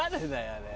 あれ。